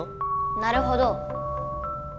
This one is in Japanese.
なるほど。